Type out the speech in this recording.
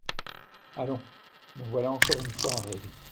Allons ! me voilà encore une fois en règle.